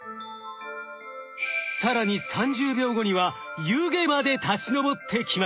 更に３０秒後には湯気まで立ち上ってきました。